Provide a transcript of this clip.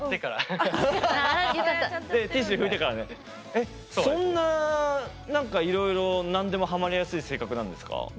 えっそんななんかいろいろなんでもハマりやすい性格なんですか？